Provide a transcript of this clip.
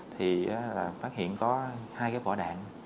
thì phát hiện có hai cái vỏ đạn